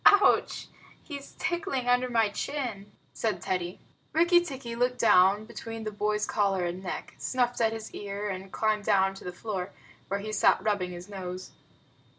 "Ouch! He's tickling under my chin," said Teddy. Rikki tikki looked down between the boy's collar and neck, snuffed at his ear, and climbed down to the floor, where he sat rubbing his nose.